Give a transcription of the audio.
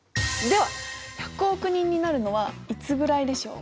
では１００億人になるのはいつぐらいでしょうか？